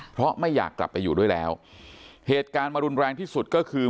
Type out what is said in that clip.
เพราะไม่อยากกลับไปอยู่ด้วยแล้วเหตุการณ์มารุนแรงที่สุดก็คือ